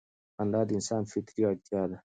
خندا د انسان فطري اړتیا ده.